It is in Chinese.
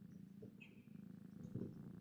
有些宗教仪式中还有对男性割礼的习俗。